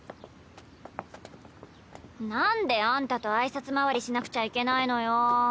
なんであんたと挨拶回りしなくちゃいけないのよ。